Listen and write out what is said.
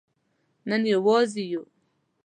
نن یوازې یو